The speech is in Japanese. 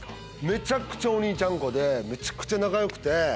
めちゃくちゃお兄ちゃん子でめちゃくちゃ仲良くて。